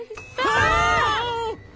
ああ！